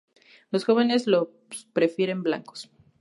Los jóvenes los prefieren blancos.